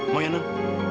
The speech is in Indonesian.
mau ya nang